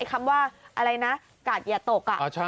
คำว่าอะไรนะกาดเหยียดตก